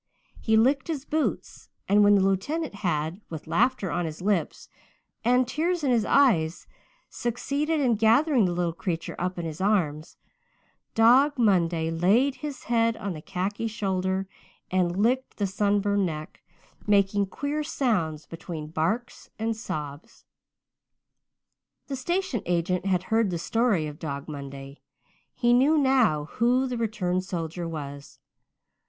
He licked his boots and when the lieutenant had, with laughter on his lips and tears in his eyes, succeeded in gathering the little creature up in his arms Dog Monday laid his head on the khaki shoulder and licked the sunburned neck, making queer sounds between barks and sobs. The station agent had heard the story of Dog Monday. He knew now who the returned soldier was.